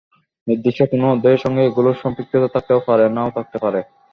নির্দিষ্ট কোনো অধ্যায়ের সঙ্গে এগুলোর সম্পৃক্ততা থাকতেও পারে নাও থাকতে পারে।